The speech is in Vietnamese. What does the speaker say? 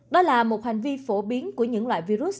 đó là một hành vi phổ biến của những loại virus